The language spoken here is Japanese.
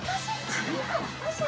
違う。